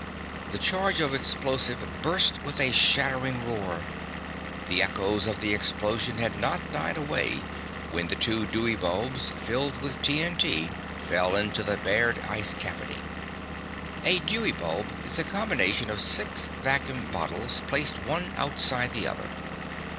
The charge of explosive burst with a shattering roar. The echoes of the explosion had not died away when the two Dewey bulbs filled with T. N. T. fell into the bared ice cavity. A Dewey bulb is a combination of six vacuum bottles placed one outside the other.